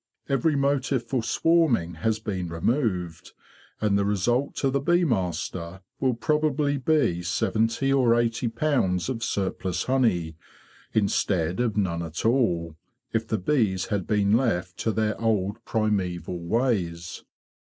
Every motive for swarming has been removed, and the result to the bee master will probably be seventy or eighty pounds of surplus honey, instead of none at all, if the bees had been left to their old primeval ways."